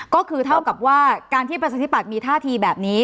ก็คือเท่ากับว่าการที่ประชาธิบัตย์มีท่าทีแบบนี้